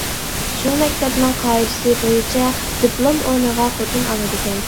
! شۇ مەكتەپنىڭ قائىدىسى بويىچە دىپلوم ئورنىغا خوتۇن ئالىدىكەن!